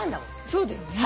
そうだよね。